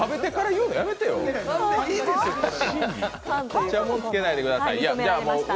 いちゃもんつけないでください。